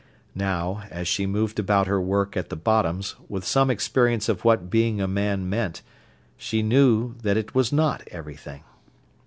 Now, as she moved about her work at the Bottoms, with some experience of what being a man meant, she knew that it was not everything.